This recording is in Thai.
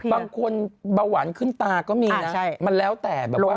บางคนเบาหวานขึ้นตาก็มีนะมันแล้วแต่แบบว่า